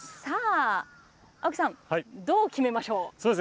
青木さん、どう決めましょう？